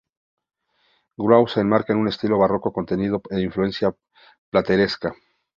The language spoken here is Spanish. Grau se enmarca en un estilo barroco contenido, de influencia plateresca.